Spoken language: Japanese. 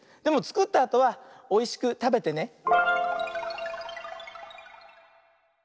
でもつくったあとはおいしくたべてね。